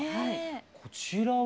こちらは？